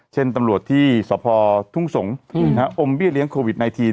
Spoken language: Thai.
เช่นตำรวจที่สพทุ่งสงศ์อมเบี้ยเลี้ยงโควิด๑๙